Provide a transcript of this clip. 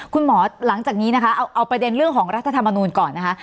หลังจากนี้นะคะเอาประเด็นเรื่องของรัฐธรรมนูลก่อนนะคะ